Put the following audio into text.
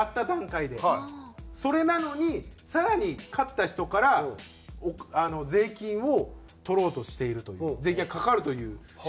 それなのに更に勝った人から税金を取ろうとしているという税金がかかるというシステムになってる。